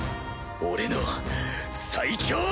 俺の最強を！